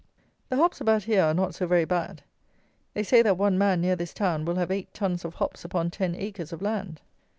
The hops about here are not so very bad. They say that one man, near this town, will have eight tons of hops upon ten acres of land!